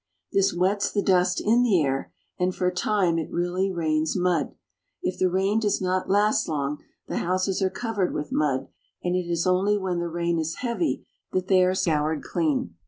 This wets the dust in the air, and for a time it really rains mud. If the rain does not last long the houses are covered with mud, and it is only when the rain is heavy that they are scoured clean.